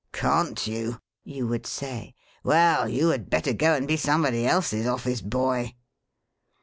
'Can't you?' you would say. 'Well, you had better go and be somebody else's office boy.'